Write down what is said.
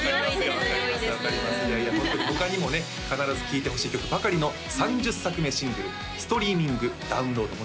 いやいやホントに他にもね必ず聴いてほしい曲ばかりの３０作目シングルストリーミングダウンロード